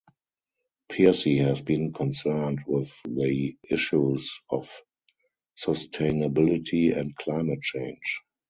Piercy has been concerned with the issues of sustainability and climate change.